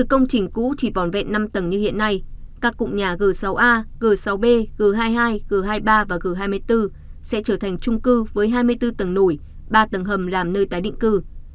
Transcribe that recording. công trình cũ chỉ vòn vẹn năm tầng như hiện nay các cụm nhà g sáu a g sáu b g hai mươi hai g hai mươi ba và g hai mươi bốn sẽ trở thành trung cư với hai mươi bốn tầng nổi ba tầng hầm làm nơi tái định cư